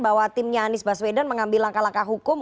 bahwa timnya anies baswedan mengambil langkah langkah hukum